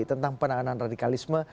tentang penanganan radikalisme